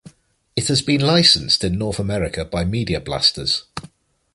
It has been licensed in North America by Media Blasters.